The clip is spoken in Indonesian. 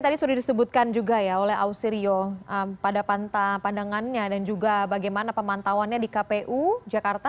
tadi sudah disebutkan juga ya oleh ausirio pada pandangannya dan juga bagaimana pemantauannya di kpu jakarta